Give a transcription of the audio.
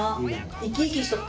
生き生きしとった。